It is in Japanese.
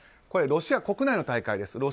これ、ロシア国内の大会です。